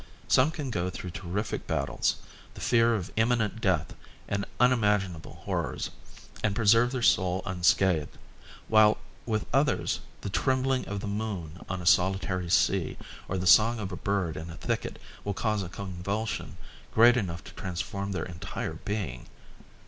Some can go through terrific battles, the fear of imminent death and unimaginable horrors, and preserve their soul unscathed, while with others the trembling of the moon on a solitary sea or the song of a bird in a thicket will cause a convulsion great enough to transform their entire being.